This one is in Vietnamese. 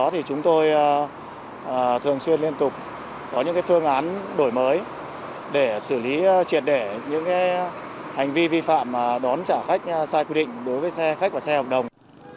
thì triệt để những hành vi vi phạm đón trả khách sai quy định đối với xe khách và xe hợp đồng